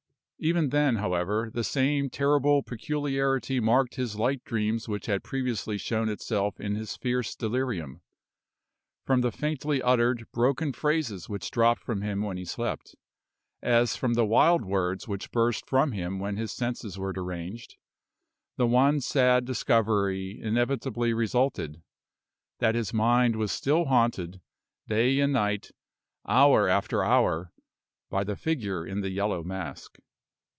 Even then, however, the same terrible peculiarity marked his light dreams which had previously shown itself in his fierce delirium. From the faintly uttered, broken phrases which dropped from him when he slept, as from the wild words which burst from him when his senses were deranged, the one sad discovery inevitably resulted that his mind was still haunted, day and night, hour after hour, by the figure in the yellow mask.